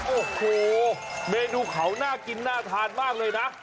โอ้โหเมนูเขาน่ากินน่าทานมากเลยนะ